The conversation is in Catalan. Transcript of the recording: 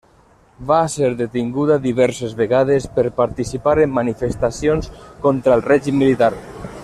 Va ser detinguda diverses vegades per participar en manifestacions contra el règim militar.